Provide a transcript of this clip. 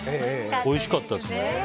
おいしかったですね。